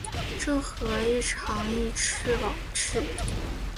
郑和亦尝裔敕往赐。